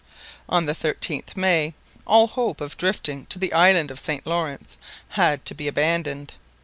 On the 13th May all hope of drifting on to the island of St Lawrence had to be abandoned.